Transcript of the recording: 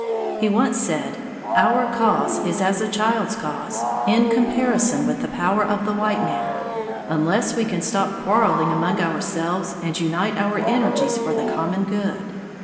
He once said: "Our cause is as a child's cause, in comparison with the power of the white man, unless we can stop quarreling among ourselves and unite our energies for the common good."